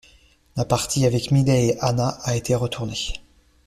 La partie avec Miley et Hannah a été retournée.